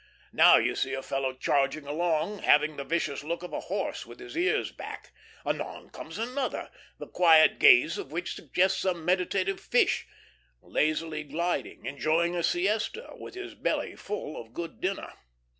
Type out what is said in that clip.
Now you see a fellow charging along, having the vicious look of a horse with his ears back. Anon comes another, the quiet gaze of which suggests some meditative fish, lazily gliding, enjoying a siesta, with his belly full of good dinner.